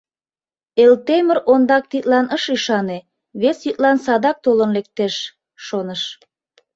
Элтемыр ондак тидлан ыш ӱшане, вес йӱдлан садак толын лектеш, шоныш.